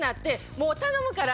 もう頼むから。